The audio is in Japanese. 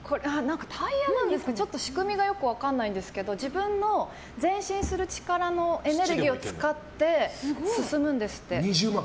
タイヤなんですかね、仕組みはちょっと分からないんですけど自分の前進する力のエネルギーを使って２０万！